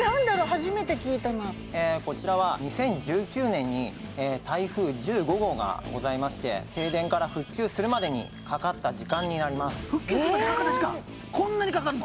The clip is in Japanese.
初めて聞いたなこちらは２０１９年に台風１５号がございまして停電から復旧するまでにかかった時間になります復旧するまでにかかった時間こんなにかかるの？